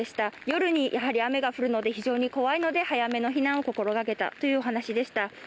夜に来れば、非常に怖いので早めの避難を心がけたというお話でした。